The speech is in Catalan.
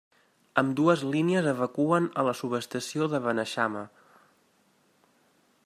Ambdues línies evacuen a la subestació de Beneixama.